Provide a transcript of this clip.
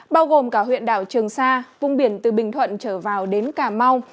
bao gồm cả huyện đảo trường sa vùng biển từ bình thuận trở vào đến cà mau